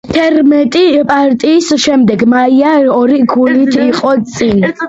თერთმეტი პარტიის შემდეგ მაია ორი ქულით იყო წინ.